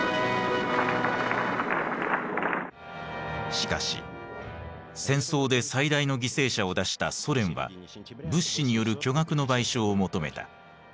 しかし戦争で最大の犠牲者を出したソ連は物資による巨額の賠償を求めた。